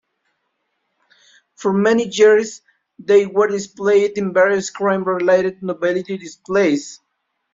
For many years they were displayed in various crime-related novelty displays.